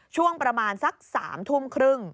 ช่วงประมาณสัก๓ทุ่มครึ่ง